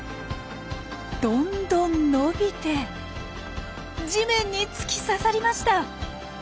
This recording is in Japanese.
どんどん伸びて地面に突き刺さりました！